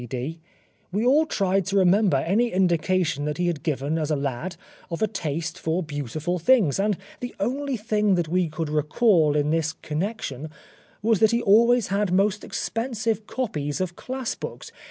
C.D, "we all tried to remember any indication that he had given as a lad of a taste for beautiful things, and the only thing that we could recall in this connection was that he always had most expensive copies of class books.